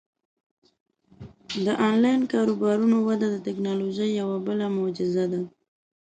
د آنلاین کاروبارونو وده د ټیکنالوژۍ یوه بله معجزه ده.